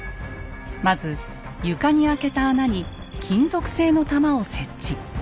まず床に開けた穴に金属製の玉を設置。